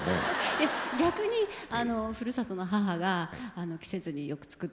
いや逆にふるさとの母が季節によく作ってました。